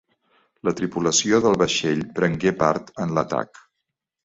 La tripulació del vaixell prengué part en l'atac.